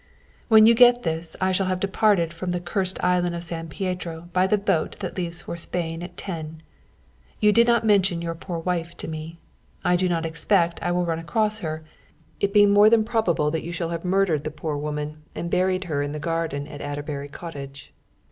When you get this I shall have departed from the cursed island of San Pietro by the boat that leaves for Spain at ten. You did not mention your poor wife to me. I do not expect I will run across her, it being more than probable that you have murdered the poor woman and buried her in the garden at Adderbury Cottage.